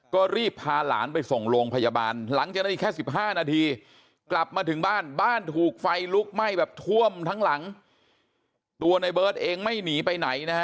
ก็รีบพาหลานไปส่งโรงพยาบาลหลังจากนั้นแค่๑๕นาที